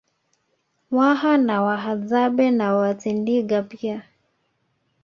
Waha na Wahadzabe na Watindiga pia